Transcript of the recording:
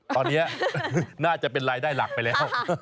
ตอนนี้น่าจะเป็นรายได้หลักไปแล้ว